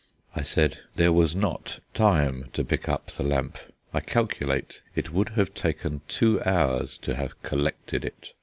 I said: "There was not time to pick up the lamp. I calculate it would have taken two hours to have collected it.